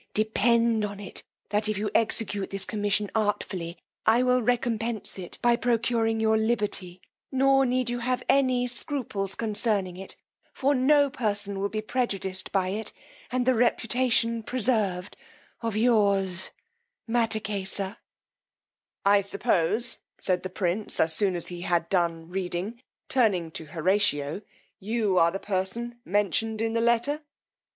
Depend upon it, that if you execute this commission artfully, I will recompence it by procuring your liberty: nor need you have any scruples concerning it, for no person will be prejudiced by it, and the reputation preserved of Yours, MATTAKESA." I suppose, said the prince, as soon as he had done reading, turning to Horatio, you are the person mentioned in the letter?